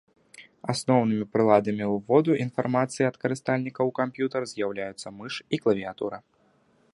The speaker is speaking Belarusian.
Асноўнымі прыладамі ўводу інфармацыі ад карыстальніка ў камп'ютар з'яўляюцца мыш і клавіятура.